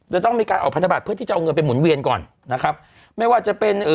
จะต้องมีการออกพันธบัตรเพื่อที่จะเอาเงินไปหมุนเวียนก่อนนะครับไม่ว่าจะเป็นเอ่อ